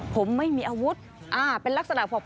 ผมไม่มีอาวุธเป็นลักษณะบอก